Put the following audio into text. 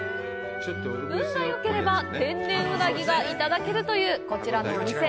運がよければ天然うなぎがいただけるというこちらのお店。